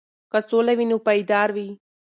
که سوله وي نو پایدار وي.